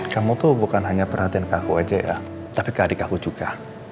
kamu tuh bukan hanya perhatian ke aku aja ya tapi ke adik aku juga